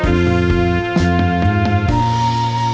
สวัสดีครับ